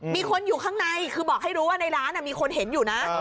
มีคนอยู่ข้างในคือบอกให้รู้ว่าในร้านมีคนเห็นอยู่นะ